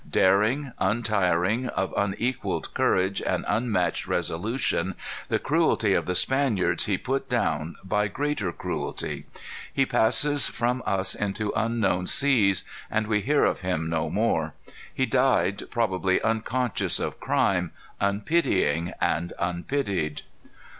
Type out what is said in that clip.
Daring, untiring, of unequalled courage and unmatched resolution, the cruelty of the Spaniards he put down by greater cruelty. He passes from us into unknown seas, and we hear of him no more. He died probably unconscious of crime, unpitying and unpitied.